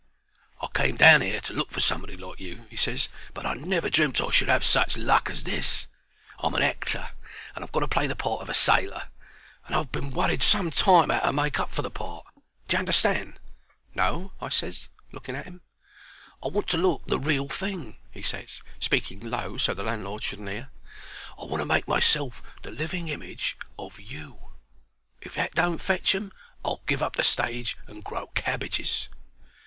"I came down 'ere to look for somebody like you," he ses, "but I never dreamt I should have such luck as this. I'm an actor, and I've got to play the part of a sailor, and I've been worried some time 'ow to make up for the part. D'ye understand?" "No," I ses, looking at 'im. "I want to look the real thing," he ses, speaking low so the landlord shouldn't hear. "I want to make myself the living image of you. If that don't fetch 'em I'll give up the stage and grow cabbages."